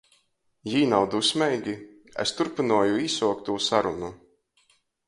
"Jī nav dusmeigi?" es turpynoju īsuoktū sarunu.